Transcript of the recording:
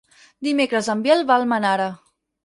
Dimecres en Biel va a Almenara.